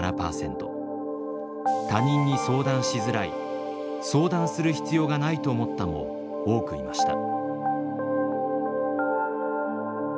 「他人に相談しづらい」「相談する必要がないと思った」も多くいました。